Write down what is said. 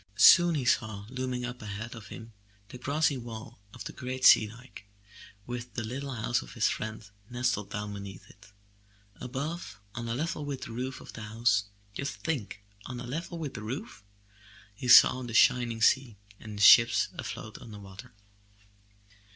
Soon he saw looming up ahead of him the grassy wall of the great sea dike, with the little house of his friend nestled down beneath it. Above, on a level with the roof of the house — ^just think, on a level with the roof — he saw the shining sea and the ships afloat on the water.